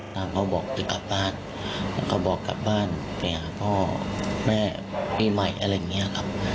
เขาบอกจะกลับบ้านแล้วก็บอกกลับบ้านไปหาพ่อแม่ปีใหม่อะไรอย่างนี้ครับ